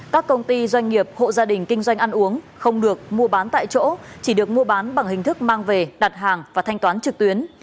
các công ty doanh nghiệp hộ gia đình kinh doanh ăn uống không được mua bán tại chỗ chỉ được mua bán bằng hình thức mang về đặt hàng và thanh toán trực tuyến